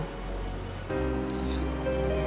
jangan kemana mana mel